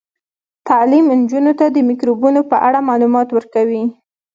تعلیم نجونو ته د میکروبونو په اړه معلومات ورکوي.